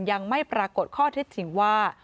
ยังไม่ปรากฏข้อเท็จจริงว่า